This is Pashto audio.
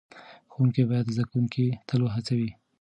ښوونکي باید زده کوونکي تل وهڅوي.